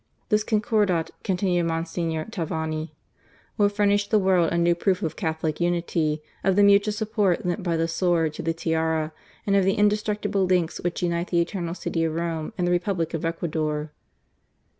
"This Con cordat," continued Mgr. Tavani, "will furnish ta the world a new proof of Catholic Unity, of the mutual support lent by the sword to the Tiara, and of the indestructible links which unite the Eternal City of Rome with the Republic of Ecuador."